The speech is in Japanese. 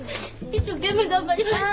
一生懸命頑張ります。